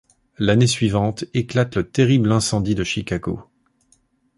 L'année suivante éclate le terrible incendie de Chicago.